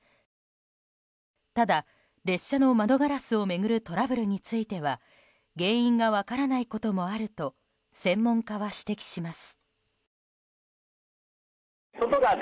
ただ、列車の窓ガラスを巡るトラブルについては原因が分からないこともあると専門家は指摘します。